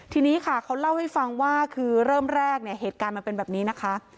ทีนี้ค่ะเขาเล่าให้ฟังว่าคือเริ่มแรกเนี่ยเหตุการณ์มันเป็นแบบนี้นะคะ